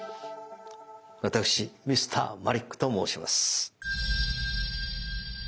私Ｍｒ．マリックと申します。